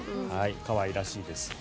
可愛らしいです。